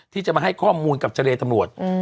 ที่จะมาให้ข้อมูลกับใจเรย์ตำรวจอืม